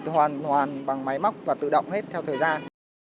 tôi hoàn toàn bằng máy móc và tự động hết theo thời gian